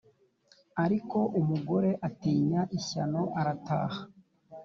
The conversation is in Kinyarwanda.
ariko umugore utinya ishyano arataha